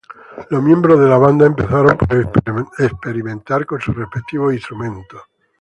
Los miembros de la banda empezaron por experimentar con sus respectivos instrumentos.